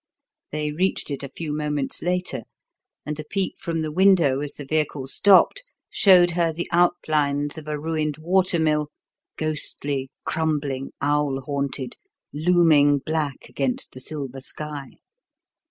They reached it a few moments later, and a peep from the window, as the vehicle stopped, showed her the outlines of a ruined watermill ghostly, crumbling, owl haunted looming black against the silver sky.